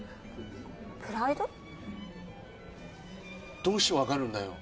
どうしてわかるんだよ。